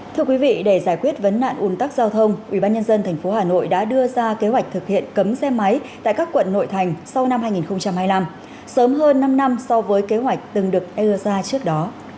thưa quý vị để giải quyết vấn nạn ủn tắc giao thông ubnd tp hà nội đã đưa ra kế hoạch thực hiện cấm xe máy tại các quận nội thành sau năm hai nghìn hai mươi năm sớm hơn năm năm so với kế hoạch từng được ea ra trước đó